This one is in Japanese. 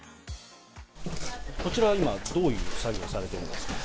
こちらは今、どういう作業をされてるんですか？